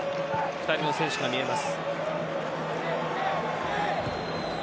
２人の選手が見えます。